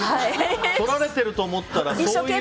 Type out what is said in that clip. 撮られていると思ったらそういう。